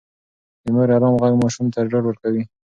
د مور ارام غږ ماشوم ته ډاډ ورکوي.